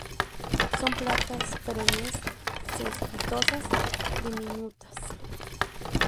Son plantas perennes cespitosas diminutas.